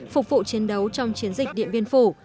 phục vụ chiến đấu trong chiến dịch điện biên phủ